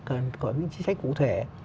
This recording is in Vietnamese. cần có những chính sách cụ thể